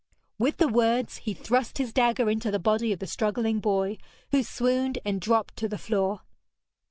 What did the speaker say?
With the words he thrust his dagger into the body of the struggling boy, who swooned and dropped to the floor.